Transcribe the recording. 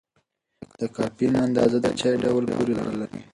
د کافین اندازه د چای ډول پورې اړه لري.